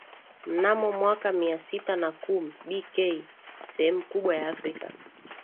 Mnamo mwaka Mia sita na kumi B K sehemu kubwa ya Afrika